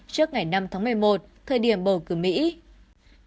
trước ngày năm tháng một mươi một thời điểm bầu cử mỹ